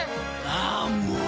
ああもう！